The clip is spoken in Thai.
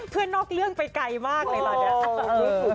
เพื่อนนอกเรื่องไปไกลมากเลยตอนนี้